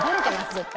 絶対。